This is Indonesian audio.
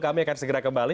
kami akan segera kembali